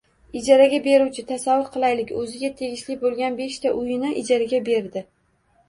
Ijaraga beruvchi, tasavvur qilaylik, o’ziga tegishli bo’lgan beshta uyini ijaraga berdi